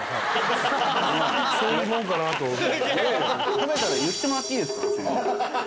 食べたら言ってもらっていいですか。